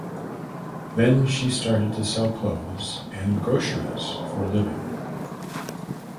Then she started to sell clothes and groceries for living.